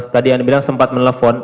tadi anda bilang sempat menelpon